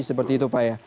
seperti itu pak ya